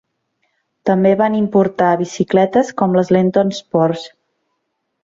També van importar bicicletes com les Lenton Sports.